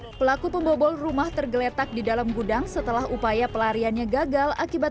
hai pelaku pembobol rumah tergeletak di dalam gudang setelah upaya pelariannya gagal akibat